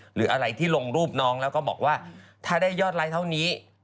หรืออะไรที่ลงรูปน้องแล้วก็บอกว่าถ้าได้ยอดไลค์เท่านี้